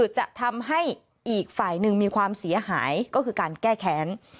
จะทำให้อีกฝ่ายหนึ่งมีความเสียหายก็คือการแก้แค้น